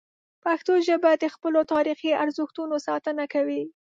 پښتو ژبه د خپلو تاریخي ارزښتونو ساتنه کوي.